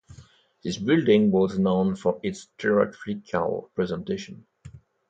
This building was known for its theatrical presentation.